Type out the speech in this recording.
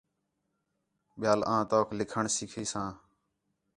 ٻیال آں توک لِکھݨ سِکّھی ساں